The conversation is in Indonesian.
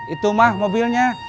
itu mah mobilnya